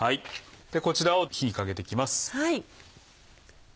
こちらを火にかけていきます。